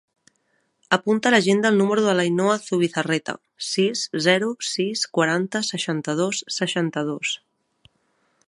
Apunta a l'agenda el número de l'Ainhoa Zubizarreta: sis, zero, sis, quaranta, seixanta-dos, seixanta-dos.